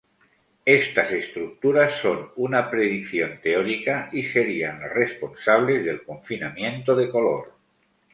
Estas estructuras son una predicción teórica y serían las responsables del confinamiento de color.